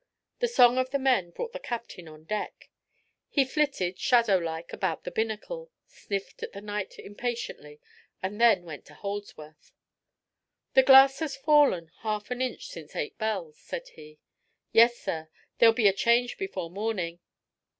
The song of the men brought the captain on deck. He flitted, shadow like, about the binnacle, sniffed at the night impatiently, and then went to Holdsworth. "The glass has fallen half an inch since eight bells," said he. "Yes, sir; there'll be a change before morning."